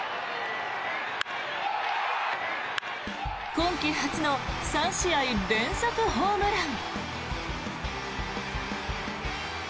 今季初の３試合連続ホームラン。